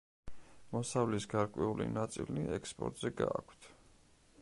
მოსავლის გარკვეული ნაწილი ექსპორტზე გააქვთ.